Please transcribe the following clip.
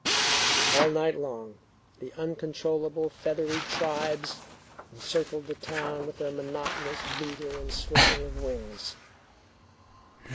All night long the uncontrollable feathery tribes encircled the town with their monotonous beating and swishing of wings.